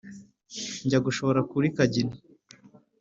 njya gushora kuri kagina,